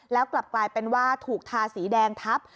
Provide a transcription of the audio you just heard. แล้วกลับกลายเป็นว่าถูกทาสีแดงทับ